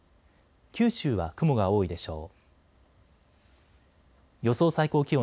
九州は雲が多いでしょう。